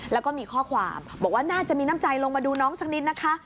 แล้วก็มีข้อความบอกว่าน่าจะมีน้ำใจลงมาดูน้องสักนิดนะคะ